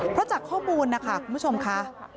เพราะจากข้อมูลนะคะคุณผู้ชมค่ะ